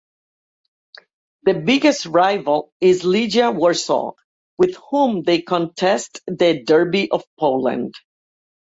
The biggest rival is Legia Warsaw with whom they contest the "Derby of Poland".